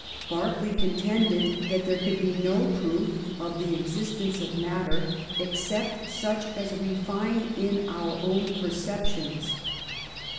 Berkeley contended that there could be no proof of the existence of matter, except such as we find in our own perceptions.